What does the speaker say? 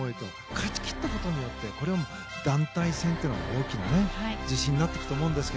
勝ち切ったことによって団体戦というのは大きな自信になっていくと思うんですよ。